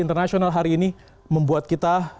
internasional hari ini membuat kita